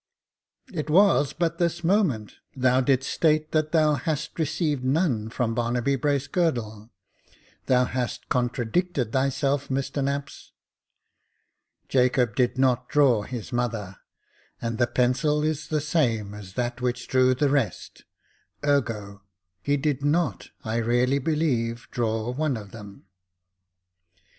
It was but this moment, thou didst state that thou hadst received none from Barnaby Bracegirdle. Thou hast contradicted thyself, Mr Knapps. Jacob did not draw his mother ; and the pencil is the same as that which drew the rest — ergo, he did not, I really believe, draw one of them.